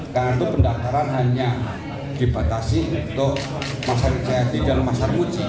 karena itu pendaftaran hanya dibatasi untuk masyarakat di jawa masyarakat munci